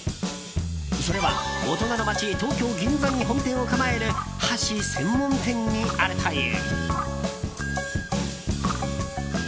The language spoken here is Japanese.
それは大人の街東京・銀座に本店を構える箸専門店にあるという。